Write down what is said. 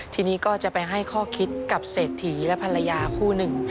ทีนี้ก็จะไปให้ข้อคิดกับเศรษฐีและภรรยาคู่หนึ่ง